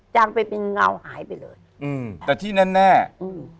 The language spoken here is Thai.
จังไปเป็นเงาหายไปเลยอืมแต่ที่แน่แน่อืม